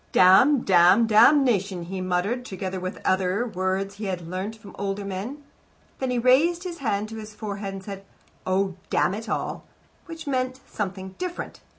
"Damn, damn, damnation!" he murmured, together with such other words as he had learnt from older men. Then he raised his hand to his forehead and said, "Oh, damn it all " which meant something different.